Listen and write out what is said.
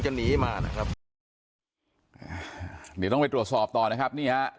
จะต้องไปตรวจสอบต่อนะครับ